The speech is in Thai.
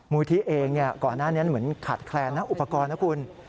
มูลที่เองก่อนหน้านี้เหมือนขาดแคลนนะอุปกรณ์นะคุณ